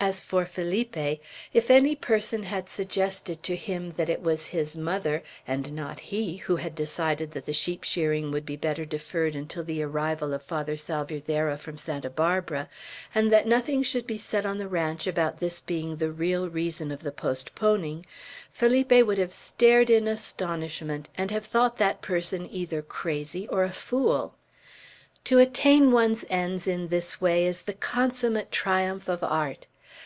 As for Felipe, if any person had suggested to him that it was his mother, and not he, who had decided that the sheep shearing would be better deferred until the arrival of Father Salvierderra from Santa Barbara, and that nothing should be said on the ranch about this being the real reason of the postponing, Felipe would have stared in astonishment, and have thought that person either crazy or a fool. To attain one's ends in this way is the consummate triumph of art.